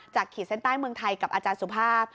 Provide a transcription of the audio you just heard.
ขีดเส้นใต้เมืองไทยกับอาจารย์สุภาพ